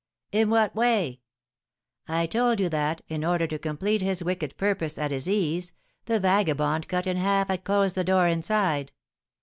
"In what way?" "I told you that, in order to complete his wicked purpose at his ease, the vagabond Cut in Half had closed the door inside.